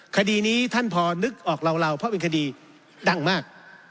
คดีนี้ท่านพอนึกออกเหล่าเพราะเป็นคดีดังมาก